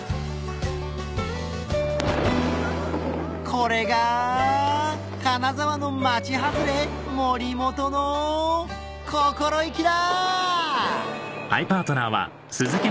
これが金沢の町外れ森本の心意気だ！